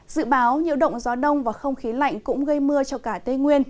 dự báo nhiễu động gió đông và không khí lạnh cũng gây mưa cho cả tây nguyên